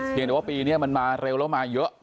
เพียงแต่ว่าปีนี้เห็นว่ามันร้องมาเร็วแล้วมาเยอะ